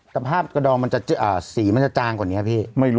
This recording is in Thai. ตะภาพกระดองมันจะสีมันจะจางกว่านี้ครับพี่